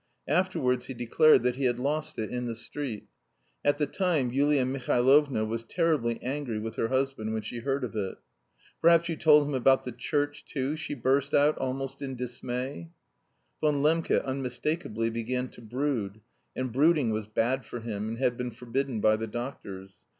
Afterwards he declared that he had lost it in the street. At the time Yulia Mihailovna was terribly angry with her husband when she heard of it. "Perhaps you told him about the church too?" she burst out almost in dismay. Von Lembke unmistakably began to brood, and brooding was bad for him, and had been forbidden by the doctors.